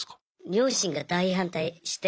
両親が大反対して。